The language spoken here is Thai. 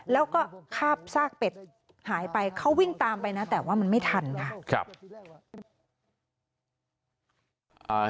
แล้วก็คาบซากเป็ดหายไปเขาวิ่งตามไปนะแต่ว่ามันไม่ทันค่ะ